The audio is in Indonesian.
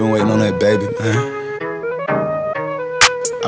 ini untuk mengakhiri obrolan kita